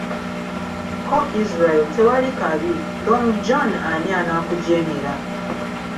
Ko Israel tewali kabi, Long John ani anaakujeemera?